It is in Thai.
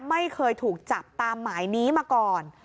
ไม่เคยถูกจับตามหมายนี้มาก่อน